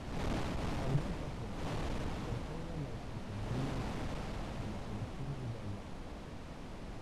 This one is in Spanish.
Adrián pasó por todas las categorías de la Selección Uruguaya.